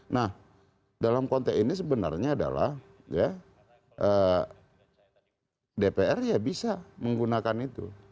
nah dalam konteks ini sebenarnya adalah ya dpr ya bisa menggunakan itu